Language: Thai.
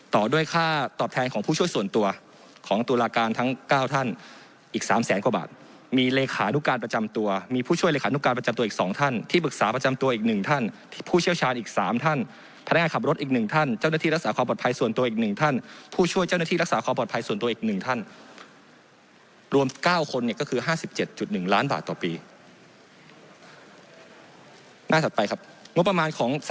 ต่อด้วยค่าตอบแทนของผู้ช่วยส่วนตัวของตุลาการทั้ง๙ท่านอีก๓๐๐กว่าบาทมีเลขานุการประจำตัวมีผู้ช่วยเลขานุการประจำตัวอีก๒ท่านที่ปรึกษาประจำตัวอีก๑ท่านที่ผู้เชี่ยวชาญอีก๓ท่านพนักงานขับรถอีก๑ท่านเจ้าหน้าที่รักษาความปลอดภัยส่วนตัวอีก๑ท่านผู้ช่วยเจ้าหน้าที่รักษ